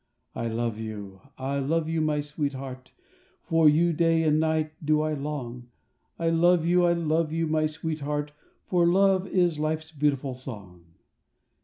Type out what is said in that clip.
I love you, I love you, my sweetheart, For you day and night do I long, I love you, I love you, my sweetheart, For love is life's beautiful song.